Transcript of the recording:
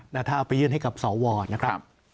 แล้วถ้าเอาไปยื่นให้กับสวนะครับ